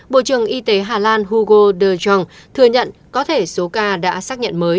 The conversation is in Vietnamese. bộ trưởng y tế hà lan hugo de jong thừa nhận có thể số ca đã xác nhận mới